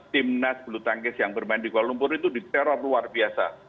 tim nas bulu tangges yang bermain di kuala lumpur itu diteror luar biasa